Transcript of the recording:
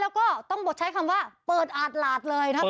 แล้วก็ต้องใช้คำว่าเปิดอาจหลาดเลยนะครับ